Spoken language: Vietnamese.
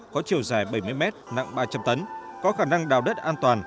có chiều dài bảy mươi mét nặng ba trăm linh tấn có khả năng đào đất an toàn